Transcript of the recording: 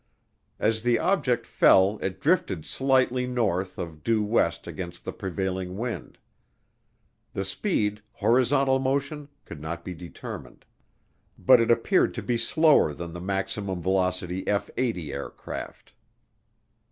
As the object fell it drifted slightly north of due west against the prevailing wind. The speed, horizontal motion, could not be determined, but it appeared to be slower than the maximum velocity F 80 aircraft.